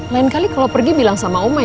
lain kali kalau pergi bilang sama oma ya